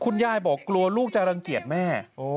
ยายบอกกลัวลูกจะรังเกียจแม่